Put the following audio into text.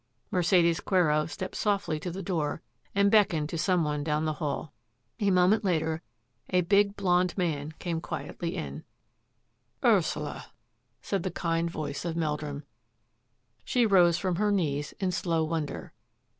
Mercedes Quero stepped softly to the door and beckoned to some one down the hall. A moment later a big, blond man came quietly in. 234 THAT AFFAIR AT THE MANOR "Ursula!" said the kind voice of Meldrum. She rose from her knees in slow wonder.